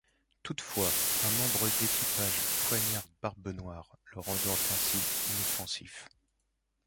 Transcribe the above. Toutefois, un membre d'équipage poignarde Barbe Noire, le rendant ainsi inoffensif.